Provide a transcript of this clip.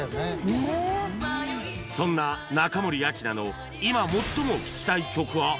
そんな中森明菜の今最も聴きたい曲は？